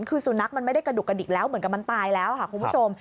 คือสุนัขมันไม่ได้กระดุกกระดิกแล้วเหมือนกับมันตายแล้วค่ะคุณผู้ชม